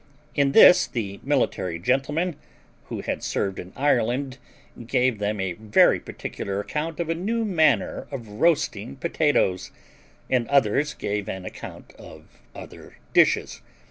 In this the military gentleman, who had served in Ireland, gave them a very particular account of a new manner of roasting potatoes, and others gave an account of other dishes.